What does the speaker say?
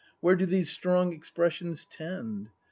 Where do these strong expressions tend